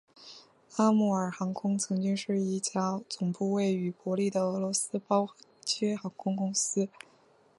阿穆尔航空曾是一家总部位于伯力的俄罗斯包机航空公司。